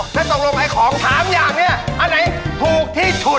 ถ้าตกลงไอของถามอย่างเนี่ยอันไหนถูกที่จุด